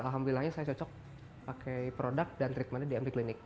alhamdulillahnya saya cocok pakai produk dan treatmentnya diambil klinik